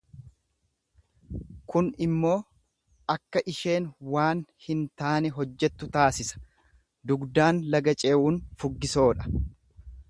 Kun immoo akka isheen waan hin taane hojjettu taasisa, dugdaan laga ce'uun fuggisoodha.